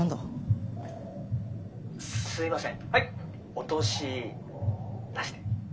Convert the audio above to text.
「お通しなしで」。